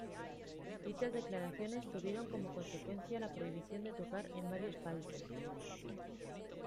Dichas declaraciones tuvieron como consecuencia la prohibición de tocar en varios países.